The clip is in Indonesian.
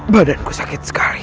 badanku sakit sekali